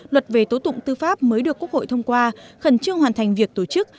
luật về tố tụng tư pháp mới được quốc hội thông qua khẩn trương hoàn thành việc tổ chức